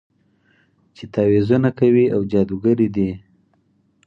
چې تعويذونه کوي او جادوګرې دي.